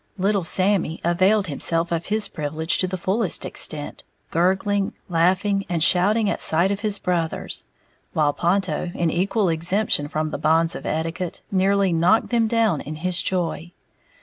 Little Sammy availed himself of his privilege to the fullest extent, gurgling, laughing and shouting at sight of his brothers, while Ponto, in equal exemption from the bonds of etiquette, nearly knocked them down in his joy.